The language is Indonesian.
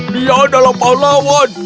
dia adalah pahlawan